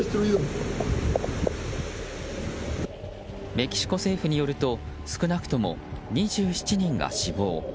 メキシコ政府によると少なくとも２７人が死亡。